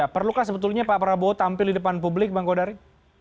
perlukah sebetulnya pak prabowo tampil di depan publik bang kodari